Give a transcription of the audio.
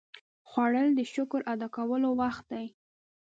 خوړل د شکر ادا کولو وخت دی